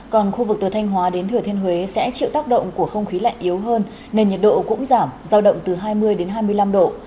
còn khu vực từ thanh hóa đến thừa thiên huế sẽ chịu tác động của không khí lạnh yếu hơn nên nhiệt độ cũng giảm giao động từ hai mươi đến hai mươi năm độ